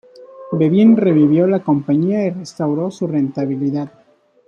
Bevin revivió la compañía y restauró su rentabilidad.